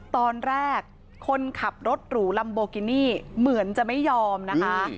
ตอนแรกคนขับรถหรูลัมโบกินี่เหมือนจะไม่ยอมนะคะ